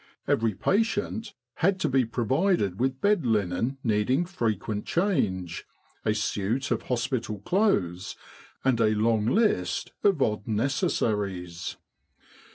Every patient had to be provided with bed linen needing frequent change, a suit of hospital clothes, and a long list of odd necessaries.